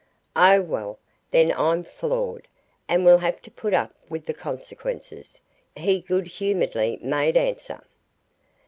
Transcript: "Oh well, then, I'm floored, and will have to put up with the consequences," he good humouredly made answer.